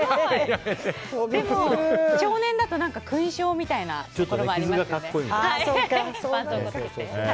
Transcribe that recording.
でも少年だと勲章みたいなところありますよね。